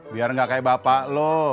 biar gak kayak bapak lo